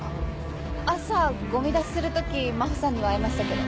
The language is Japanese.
朝ゴミ出しする時真帆さんには会いましたけど。